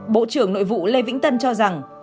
bộ trưởng nội vụ lê vĩnh tân cho rằng